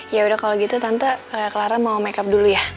yaudah kalau gitu tante clara mau makeup dulu ya